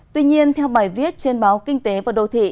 tuy nhiên theo bài viết trên báo kinh tế và đô thị